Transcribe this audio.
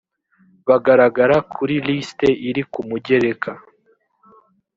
bagaragara kuri liste iri ku mugereka